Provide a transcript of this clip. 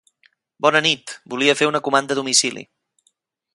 Bona nit, volia fer una comanda a domicili.